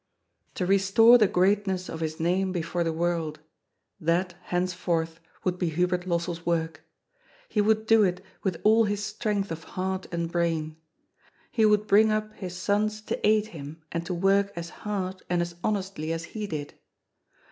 To restore the greatness of his name before the world, that, henceforth, would be Hubert Lossell's work. He would do it with all his strength of heart and brain. He would bring up his sons to aid him and to work as hard, and as honestly, as he did.